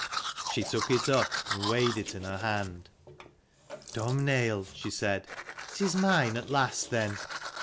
She took it up, and weighed it in her hand. "Domhnaill," she said, "it is mine at last, then?"